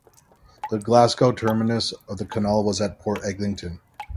The Glasgow terminus of the canal was at Port Eglinton.